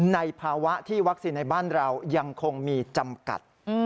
ในภาวะที่วัคซีนในบ้านเรายังคงมีจำกัด